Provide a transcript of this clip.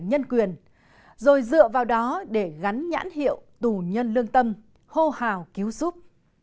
nhân quyền rồi dựa vào đó để gắn nhãn hiệu tù nhân lương tâm hô hào cứu giúp